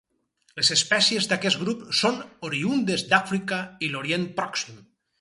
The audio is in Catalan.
Les espècies d'aquest grup són oriündes d'Àfrica i l'Orient Pròxim.